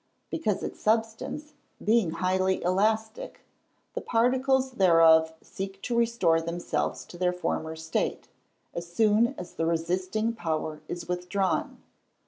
_ Because its substance, being highly elastic, the particles thereof seek to restore themselves to their former state, as soon as the resisting power is withdrawn.